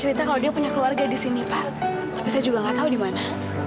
hati aku sedih banget mana